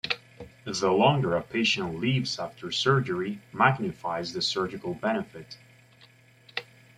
The longer a patient lives after surgery magnifies the surgical benefit.